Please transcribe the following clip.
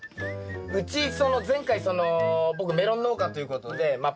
うち前回その僕メロン農家ということでまあ